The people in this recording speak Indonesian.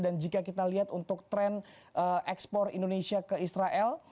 dan jika kita lihat untuk tren ekspor indonesia ke israel